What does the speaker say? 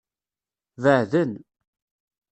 Beɛden.